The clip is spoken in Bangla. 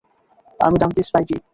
আমি দান্তে স্পাইভি।